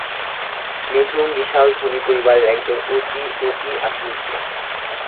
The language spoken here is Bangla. নিঝুম বিশাল ধনী পরিবারের একজন অতি অতি আধুনিক মেয়ে।